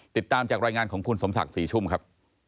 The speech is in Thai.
ติดตามจากรายงานของคุณสมศักดิ์ศรีชุ่มครับ